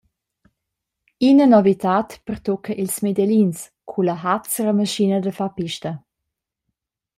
Ina novitad pertucca ils Medellins culla hazra maschina da far pista.